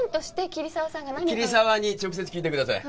桐沢に直接聞いてください。